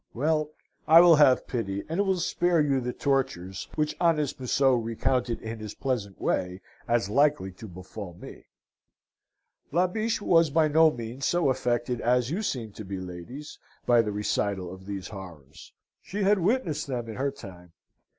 Well, I will have pity, and will spare you the tortures which honest Museau recounted in his pleasant way as likely to befall me. "La Biche was by no means so affected as you seem to be, ladies, by the recital of these horrors. She had witnessed them in her time.